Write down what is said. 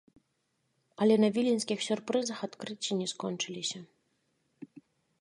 Але на віленскіх сюрпрызах адкрыцці не скончыліся.